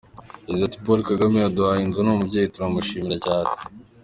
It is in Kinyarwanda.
Yagize ati “Paul Kagame aduhaye inzu ni umubyeyi turamushimira cyane.